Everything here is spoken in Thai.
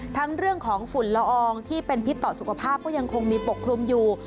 ทั้งเรื่องของฝุ่นละอองที่เป็นพิษต่อสุขภาพก็ยังคงมีปกคลุมอยู่